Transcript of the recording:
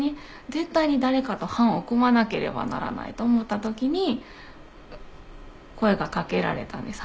絶対に誰かと班を組まなければならないと思った時に声が掛けられたんです